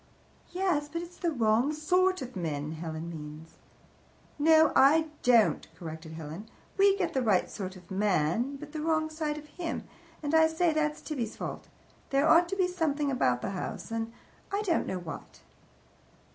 "Yes, but it's the wrong sort of men, Helen means." "No, I don't," corrected Helen. "We get the right sort of man, but the wrong side of him, and I say that's Tibby's fault. There ought to be a something about the house an I don't know what."